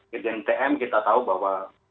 ketika tm kita tahu bahwa